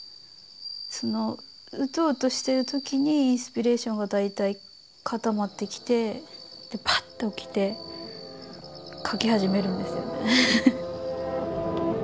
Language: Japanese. そのうとうとしてる時にインスピレーションが大体固まってきてパッと起きて描き始めるんですよね。